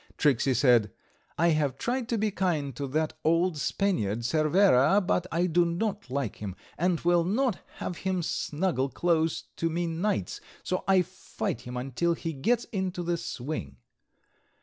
Tricksey said: "I have tried to be kind to that old Spaniard, Cervera, but I do not like him and will not have him snuggle close to me nights, so I fight him until he gets into the swing.